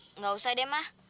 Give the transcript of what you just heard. tidak usah deh ma